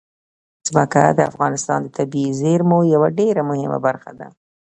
ځمکه د افغانستان د طبیعي زیرمو یوه ډېره مهمه برخه ده.